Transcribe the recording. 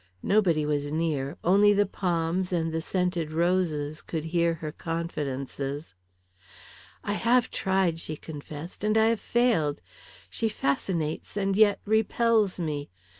Nobody was near only the palms and the scented roses could hear her confidences. "I have tried," she confessed, "and I have failed. She fascinates and yet repels me.